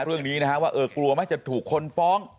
เรื่องนี้นะฮะว่าเออกลัวไหมจะถูกคนฟ้อง